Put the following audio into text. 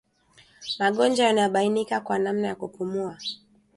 Magonjwa yanayobainika kwa namna ya kupumua